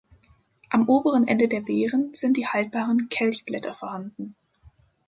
Am oberen Ende der Beeren sind die haltbaren Kelchblätter vorhanden.